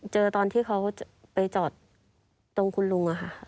ตอนที่เขาไปจอดตรงคุณลุงอะค่ะ